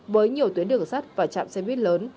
với nhiều tuyến đường sắt và trạm xe buýt lớn